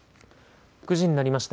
９時になりました。